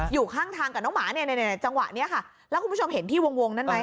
อยู่ข้างทางกับน้องหมาเนี่ยจังหวะนี้ค่ะแล้วคุณผู้ชมเห็นที่วงนั้นไหม